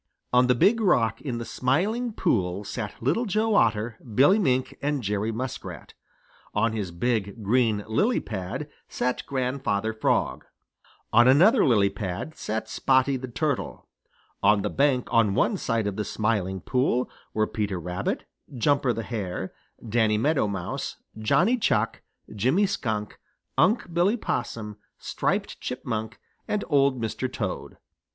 On the Big Rock in the Smiling Pool sat Little Joe Otter, Billy Mink, and Jerry Muskrat. On his big, green lily pad sat Grandfather Frog. On another lily pad sat Spotty the Turtle. On the bank on one side of the Smiling Pool were Peter Rabbit, Jumper the Hare, Danny Meadow Mouse, Johnny Chuck, Jimmy Skunk, Unc' Billy Possum, Striped Chipmunk and Old Mr. Toad.